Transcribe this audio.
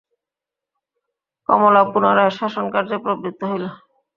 কমলা পুনরায় শাসনকার্যে প্রবৃত্ত হইল।